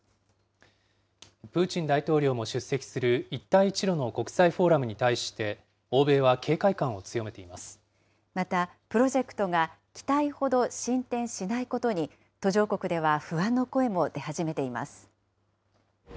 プーチン大統領も出席する一帯一路の国際フォーラムに対して、また、プロジェクトが期待ほど進展しないことに、途上国では不安の声も出始めています。